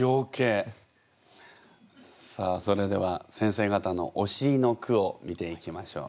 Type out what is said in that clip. さあそれでは先生方の「おしり」の句を見ていきましょう。